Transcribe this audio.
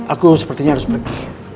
aku sepertinya harus pergi